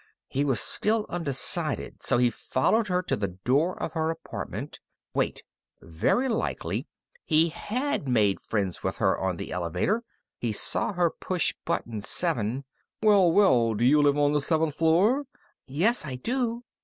He was still undecided, so he followed her to the door of her apartment. Wait very likely, he had made friends with her on the elevator. He saw her push button seven Well, well! Do you live on the seventh floor? _Yes, I do.